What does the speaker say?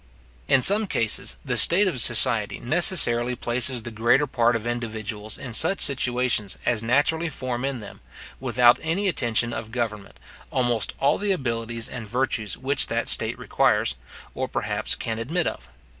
In some cases, the state of society necessarily places the greater part of individuals in such situations as naturally form in them, without any attention of government, almost all the abilities and virtues which that state requires, or perhaps can admit of.